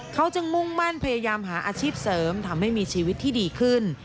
เขาจึงมุ่งมั่นพยายามหาอาชีพเสริมทำให้มีชีวิตที่ดีขึ้น